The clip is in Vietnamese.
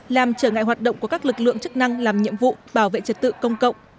làm trở ngại hoạt động của các lực lượng chức năng làm nhiệm vụ bảo vệ trật tự công cộng